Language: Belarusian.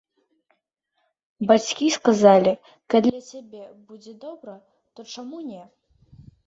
Бацькі сказалі, калі для цябе будзе добра, то чаму не.